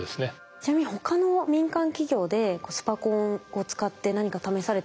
ちなみに他の民間企業でスパコンを使って何か試されてるところはあるんですか？